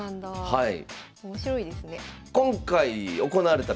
はい。